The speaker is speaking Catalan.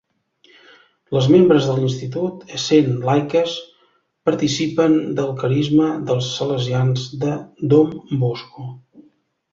Les membres de l'institut, essent laiques, participen del carisma dels salesians de Dom Bosco.